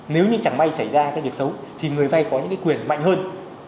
nếu như chẳng may xảy ra việc xấu thì người vay có những quyền mạnh hơn